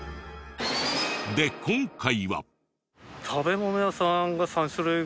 で今回は。